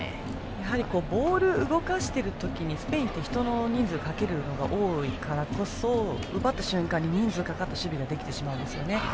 やはりボールを動かしている時にスペインってかける人数が多いからこそ、奪った瞬間に人数がかかった守備ができてしまうんです。